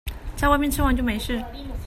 在外面吃完就沒事